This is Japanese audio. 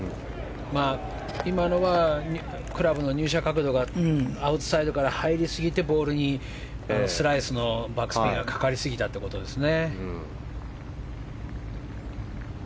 今のはクラブの入射角度がアウトサイドから入りすぎてボールにスライスのバックスピンがかかりすぎたということですね。